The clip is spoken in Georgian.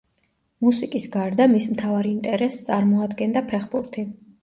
მუსიკის გარდა მის მთავარ ინტერესს წარმოადგენდა ფეხბურთი.